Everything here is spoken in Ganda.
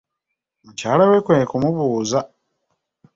Mukyala we kwe kumubuuza.